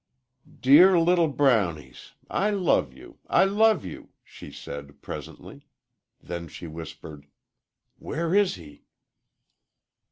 "Dear little brownies! I love you I love you," she said, presently. Then she whispered, "Where is he?"